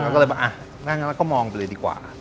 ก็เลยบอกก็มองไปเลยดีกว่า